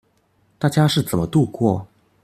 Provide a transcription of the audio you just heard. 大家是怎麼度過